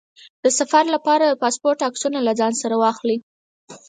د سفر لپاره د پاسپورټ عکسونه له ځان سره واخلئ.